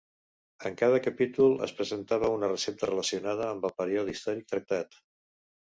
En cada capítol es presentava una recepta relacionada amb el període històric tractat.